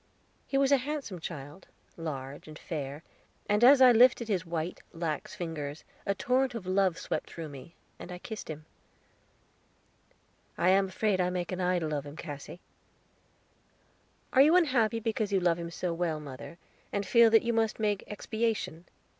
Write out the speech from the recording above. He was a handsome child, large and fair, and as I lifted his white, lax fingers, a torrent of love swept through me, and I kissed him. "I am afraid I make an idol of him, Cassy." "Are you unhappy because you love him so well, mother, and feel that you must make expiation?"